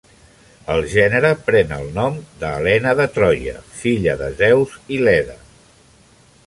El gènere pren el nom de Helen de Troia, filla de Zeus i Leda.